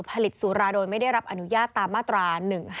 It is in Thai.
สุราโดยไม่ได้รับอนุญาตตามมาตรา๑๕